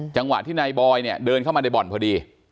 จังหวะที่นายบอยเนี่ยเดินเข้ามาในบ่อนพอดี